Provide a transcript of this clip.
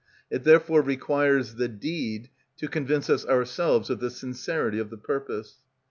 It therefore requires the deed to convince us ourselves of the sincerity of the purpose.